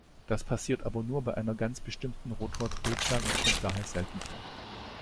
Das passiert aber nur bei einer ganz bestimmten Rotordrehzahl und kommt daher selten vor.